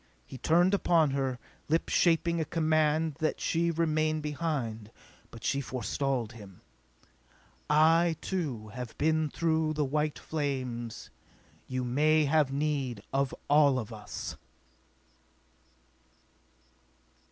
He turned upon her, lips shaping a command that she remain behind. But she forestalled him. "I, too, have been through the white flames! You may have need of all of us!"